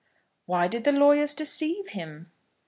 "Why did the lawyers deceive him?"